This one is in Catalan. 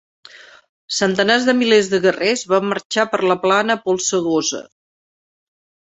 Centenars de milers de guerrers van marxar per la plana polsegosa.